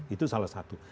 itu salah satu